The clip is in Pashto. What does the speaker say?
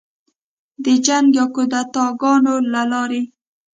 د جنګ یا کودتاه ګانو له لارې